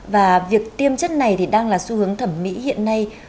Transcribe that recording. và việc tiêm chất này thì đang là xu hướng thẩm mỹ hiện nay